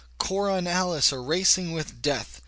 Cora and Alice are racing with death!